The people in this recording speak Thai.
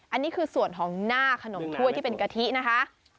อันนี้คือส่วนของหน้าขนมถ้วยที่เป็นกะทินะคะ